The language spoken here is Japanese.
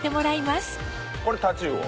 これタチウオ？